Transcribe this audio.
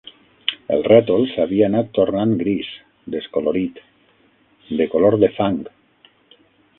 El rètol, s'havia anat tornant gris, descolorit, de color de fang